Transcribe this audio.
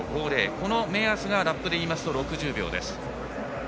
この目安がラップでいいますと６０秒です。